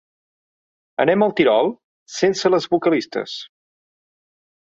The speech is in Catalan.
Anem al Tirol sense les vocalistes.